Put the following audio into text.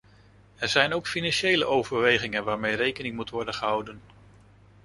Er zijn ook financiële overwegingen waarmee rekening moet worden gehouden.